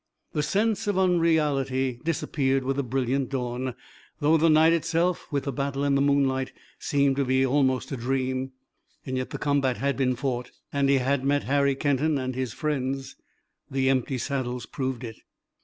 The sense of unreality disappeared with the brilliant dawn, though the night itself with the battle in the moonlight seemed to be almost a dream. Yet the combat had been fought, and he had met Harry Kenton and his friends. The empty saddles proved it.